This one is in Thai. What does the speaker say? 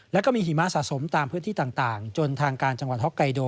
แล้วก็มีหิมะสะสมตามพื้นที่ต่างจนทางการจังหวัดฮอกไกโด